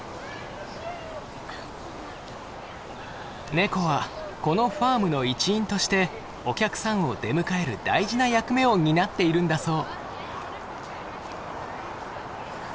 ネコはこのファームの一員としてお客さんを出迎える大事な役目を担っているんだそう。